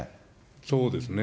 そうですね。